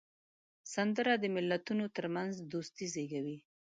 سندره د ملتونو ترمنځ دوستي زیږوي